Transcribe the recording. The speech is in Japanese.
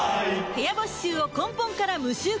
部屋干し臭を根本から無臭化